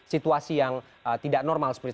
situasi yang tidak normal seperti